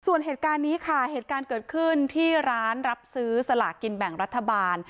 ส่วนเหตุการณ์นี้ค่ะเหตุการณ์เกิดขึ้นที่ร้านรับซื้อสลากินแบ่งรัฐบาล